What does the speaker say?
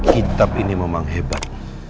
kitab ini memang hebat